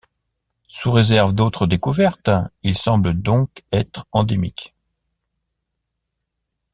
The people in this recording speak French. Sous réserve d'autres découvertes, il semble donc être endémique.